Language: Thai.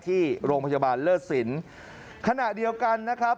ที่โรงพยาบาลเลิศสินขณะเดียวกันนะครับ